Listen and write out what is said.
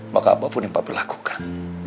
maka apapun yang papi lakukan